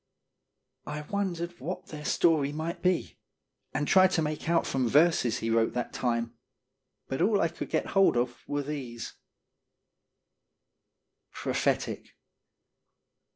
I wondered what their story might be, and tried to make out from verses he wrote that time, but all I could get hold of were these : PROPHETIC.